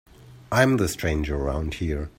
I'm the stranger around here.